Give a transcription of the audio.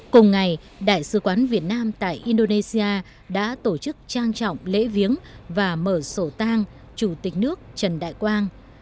cùng ngày đại sứ quán việt nam tại indonesia đã tổ chức trang trọng lễ viếng và mở sổ tang chủ tịch nước trần đại quang